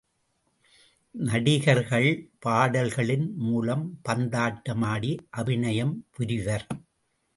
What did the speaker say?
நடிகர்கள் பாடல்களின் மூலம் பந்தாட்டம் ஆடி அபிநயம் புரிவர்.